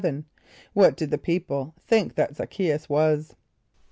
= What did the people think that Z[)a]c chæ´us was?